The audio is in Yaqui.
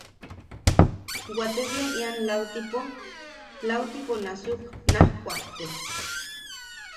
Waate bea ian lautipo... lautipo nasuk naj kuakte.